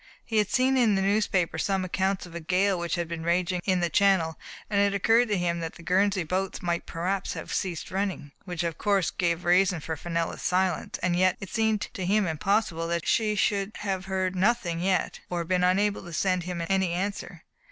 He had seen in the newspapers some accounts of a gale which had been raging in the Channel, and it occurred to him that the Guernsey boats might perhaps have ceased running, which would of course give a reason for Fenella's silence, and yet it seemed to him impossible that she should have heard noth ing yet, or been unable to send him any answer.